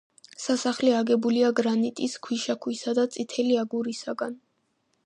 სასახლე აგებულია გრანიტის, ქვიშაქვისა და წითელი აგურისაგან.